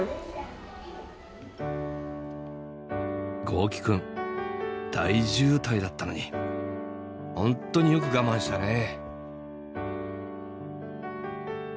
豪輝くん大渋滞だったのに本当によく我慢したね。